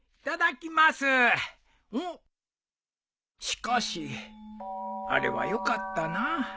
しかしあれはよかったな。